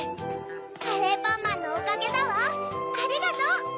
カレーパンマンのおかげだわありがとう！